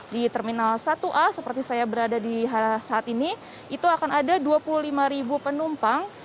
di terminal satu a seperti saya berada di saat ini itu akan ada dua puluh lima penumpang